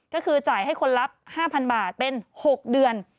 ก็คือจ่ายให้คนรับ๕๐๐บาทเป็น๖เดือน